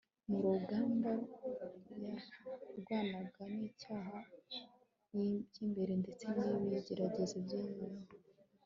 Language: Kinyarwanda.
mu rugamba yarwanaga n'icyaha cy'imbere ndetse n'ibigeragezo by'inyuma